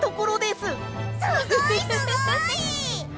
すごいすごい！